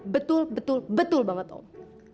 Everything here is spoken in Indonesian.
betul betul betul banget om